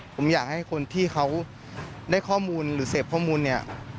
ผมอยากให้คนที่เขาได้ข้อมูลหรือเสพข้อมูลเนี่ย